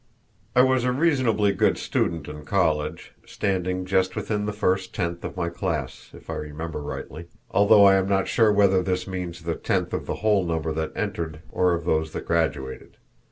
I was a reasonably good student in college, standing just within the first tenth of my class, if I remember rightly; although I am not sure whether this means the tenth of the whole number that entered or of those that graduated.